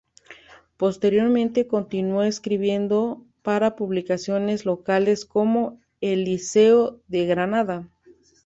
Posteriormente continuó escribiendo para publicaciones locales como "El Liceo de Granada".